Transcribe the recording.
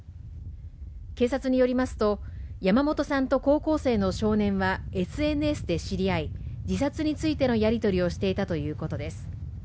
警察によりますと山本さんと高校生の少年はＳＮＳで知り合い、自殺についてのやり取りをしていたということです。